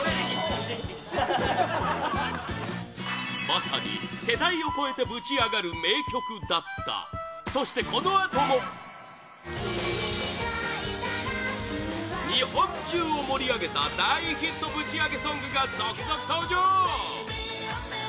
まさに、世代を超えてぶちアガる名曲だったそして、このあとも日本中を盛り上げた大ヒットぶちアゲソングが続々登場！